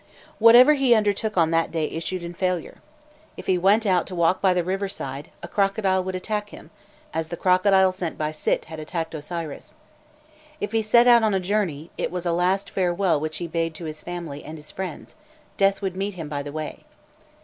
Whatever he undertook on that day issued in failure. If he went out to walk by the river side, a crocodile would attack him, as the crocodile sent by Sît had attacked Osiris. If he set out on a journey, it was a last farewell which he bade to his family and friends: death would meet him by the way.